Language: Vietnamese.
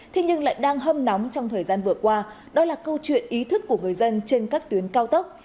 thế nhưng lại đang hâm nóng trong thời gian vừa qua đó là câu chuyện ý thức của người dân trên các tuyến cao tốc